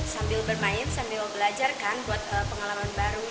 sambil bermain sambil belajar kan buat pengalaman baru